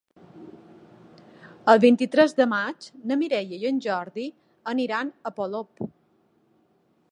El vint-i-tres de maig na Mireia i en Jordi aniran a Polop.